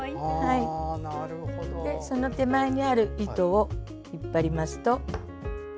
その手前にある糸を引っ張りますと。